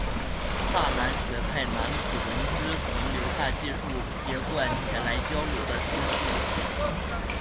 萨南学派南浦文之曾留下记述撇贯前来交流的诗句。